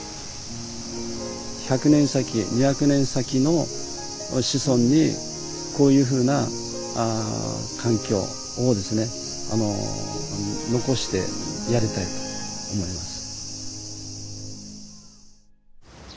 １００年先２００年先の子孫にこういうふうな環境をですね残してやりたいと思います。